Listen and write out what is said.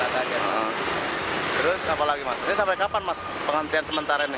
terus apalagi mas ini sampai kapan mas penghentian sementara ini